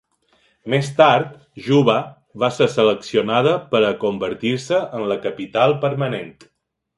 Més tard, Juba va ser seleccionada per a convertir-se en la capital permanent.